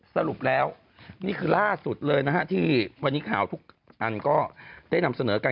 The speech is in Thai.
สรุปแล้วนี่คือล่าสุดเลยนะฮะที่วันนี้ข่าวทุกอันก็ได้นำเสนอกัน